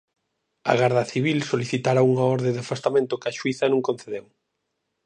A Garda Civil solicitara unha orde de afastamento que a xuíza non concedeu.